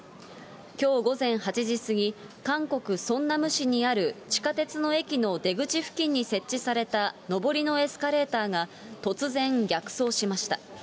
きょう午前８時過ぎ、韓国・ソンナム市にある地下鉄の駅の出口付近に設置された上りのエスカレーターが、突然逆走しました。